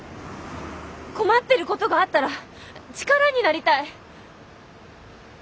困ってることがあったら力になりたい。